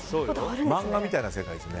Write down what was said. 漫画みたいな世界ですね。